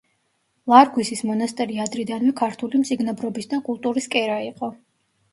ლარგვისის მონასტერი ადრიდანვე ქართული მწიგნობრობის და კულტურის კერა იყო.